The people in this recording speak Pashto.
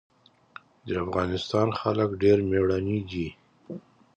د افغانستان خلک ډېر مېړني دي.